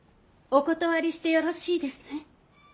お断りしてよろしいですね。